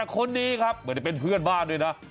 คนนี้ครับไม่ได้เป็นเพื่อนบ้านด้วยนะ